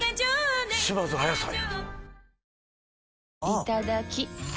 いただきっ！